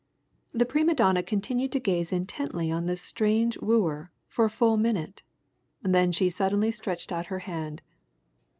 The prima donna continued to gaze intently on this strange wooer for a full minute. Then she suddenly stretched out her hand.